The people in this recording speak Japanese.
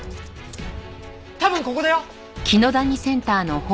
多分ここだよ！